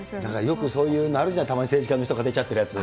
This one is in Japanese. よくそういうのあるじゃん、たまに政治家の人が出ちゃってるやつ。